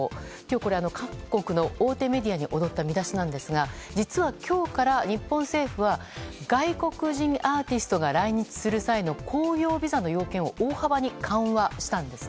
これ、各国の大手メディアに躍った見出しなんですが実は今日から日本政府は外国人アーティストが来日する際の興行ビザの要件を大幅に緩和したんです。